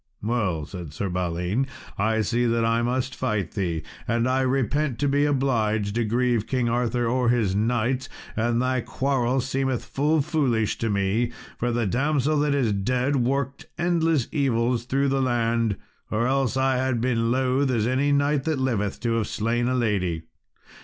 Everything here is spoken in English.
"Well," said Sir Balin, "I see that I must fight thee, and I repent to be obliged to grieve King Arthur or his knights; and thy quarrel seemeth full foolish to me, for the damsel that is dead worked endless evils through the land, or else I had been loath as any knight that liveth to have slain a lady."